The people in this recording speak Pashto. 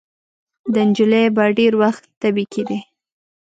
د نجلۍ به ډېر وخت تبې کېدې.